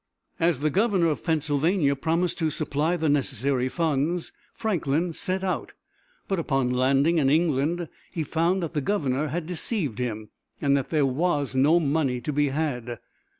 As the governor of Pennsylvania promised to supply the necessary funds, Franklin set out; but upon landing in England he found that the governor had deceived him, and that there was no money to be had.